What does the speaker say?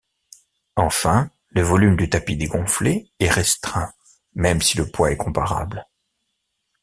Enfin, le volume du tapis dégonflé est restreint même si le poids est comparable.